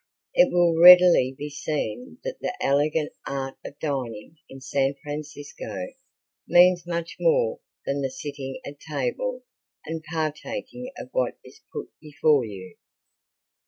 It will readily be seen that the Elegant Art of Dining in San Francisco means much more than the sitting at table and partaking of what is put before you.